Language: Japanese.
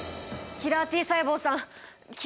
キラーＴ細胞さん！